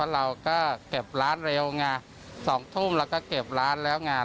เราก็เก็บร้านเร็วไง๒ทุ่มเราก็เก็บร้านแล้วไง